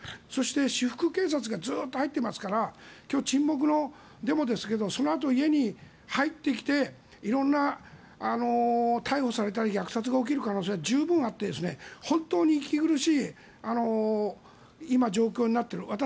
そして私服警察がずっと入っていますから今日、沈黙のデモですけどそのあと家に入ってきて色んな逮捕されたり虐殺が起きる可能性が十分あって、本当に息苦しい今、状況になっている。